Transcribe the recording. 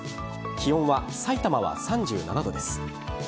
気温はさいたまは３７度です。